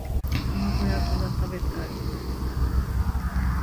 玉子焼きが食べたい